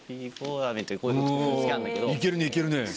いけるね、いけるね。